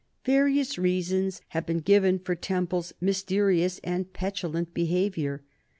Various reasons have been given for Temple's mysterious and petulant behavior.